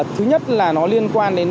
thứ nhất là nó liên quan đến